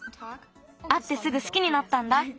あってすぐすきになったんだ。